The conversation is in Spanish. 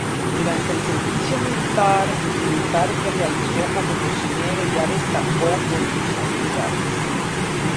Durante el servicio militar militar que realiza como cocinero ya destacó por sus habilidades.